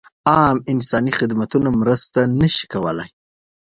عام انساني خدمتونه مرسته نه شي کولای.